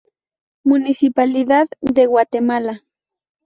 Municipalidad de Guatemala.